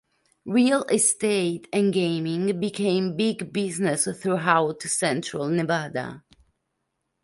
Real estate and gaming became big business throughout Central Nevada.